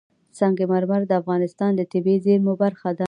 سنگ مرمر د افغانستان د طبیعي زیرمو برخه ده.